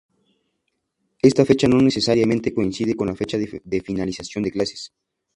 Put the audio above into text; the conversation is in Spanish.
Esta fecha no necesariamente coincide con la fecha de finalización de clases.